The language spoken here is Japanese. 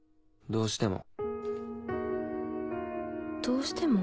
どうしても？